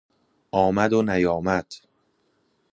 آمد و نیامد